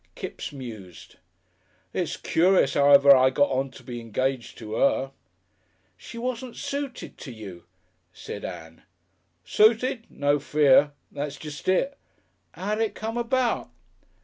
Kipps mused. "It's curious 'ow ever I got on to be engaged to 'er." "She wasn't suited to you," said Ann. "Suited. No fear! That's jest it. 'Ow did it come about?"